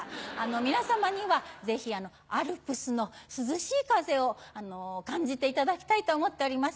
皆さまにはぜひアルプスの涼しい風を感じていただきたいと思っております。